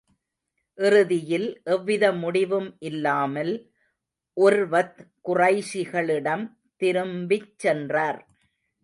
இறுதியில், எவ்வித முடிவும் இல்லாமல், உர்வத் குறைஷிகளிடம் திரும்பிச் சென்றார்.